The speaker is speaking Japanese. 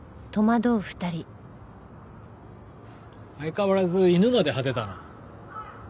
相変わらず犬まで派手だな。